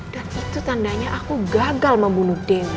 dan itu tandanya aku gagal membunuh dewi